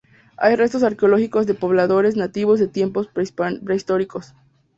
Hay restos arqueológicos de pobladores nativos de tiempos prehistóricos.